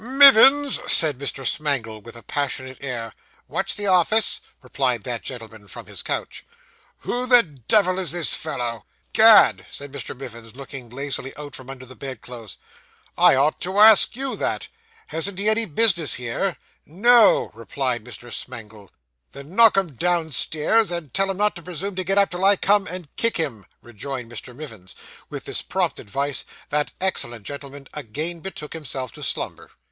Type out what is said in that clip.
'Mivins!' said Mr. Smangle, with a passionate air. 'What's the office?' replied that gentleman from his couch. 'Who the devil is this fellow?' ''Gad,' said Mr. Mivins, looking lazily out from under the bed clothes, 'I ought to ask _you _that. Hasn't he any business here?' 'No,' replied Mr. Smangle. 'Then knock him downstairs, and tell him not to presume to get up till I come and kick him,' rejoined Mr. Mivins; with this prompt advice that excellent gentleman again betook himself to slumber.